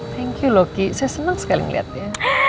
thank you loki saya senang sekali melihatnya